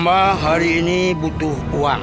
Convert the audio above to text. semua hari ini butuh uang